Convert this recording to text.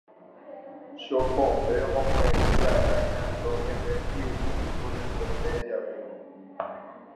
Chopombe omoko'ẽmiva'erã Ña Antonia-pe hi'upy imboriahuete javérõ.